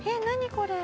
これ。